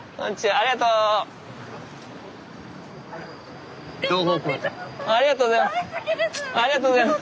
ありがとうございます。